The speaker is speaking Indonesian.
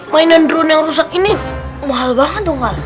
mainan drone yang rusak ini mahal banget dong